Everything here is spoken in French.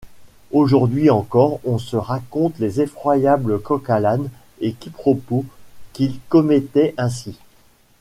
Aujourd'hui encore on se raconte les effroyables coq-à-l'âne et quiproquos qu'il commettait ainsi.